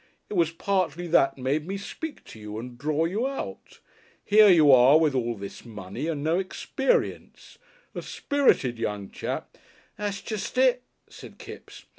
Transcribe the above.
It was partly that made me speak to you and draw you out. Here you are with all this money and no experience, a spirited young chap " "That's jest it," said Kipps.